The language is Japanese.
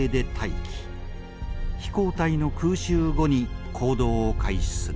飛行隊の空襲後に行動を開始する。